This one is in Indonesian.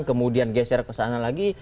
kemudian geser kesana lagi